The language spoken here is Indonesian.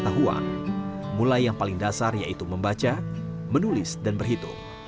pengetahuan mulai yang paling dasar yaitu membaca menulis dan berhitung